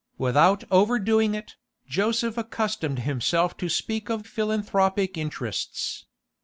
Without overdoing it, Joseph accustomed himself to speak of philanthropic interests.